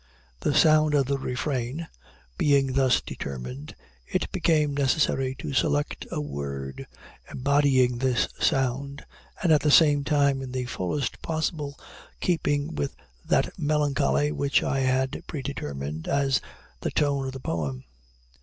The sound of the refrain being thus determined, it became necessary to select a word embodying this sound, and at the same time in the fullest possible keeping with that melancholy which I had predetermined as the tone of the poem.